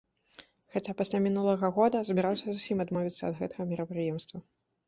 Хаця пасля мінулага года збіраўся зусім адмовіцца ад гэтага мерапрыемства.